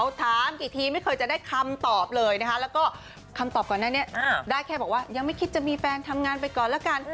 ถามกี่ทีไม่เคยจะได้คำตอบเลยนะคะแล้วก็คำตอบก่อนหน้านี้ได้แค่บอกว่ายังไม่คิดจะมีแฟนทำงานไปก่อนแล้วกัน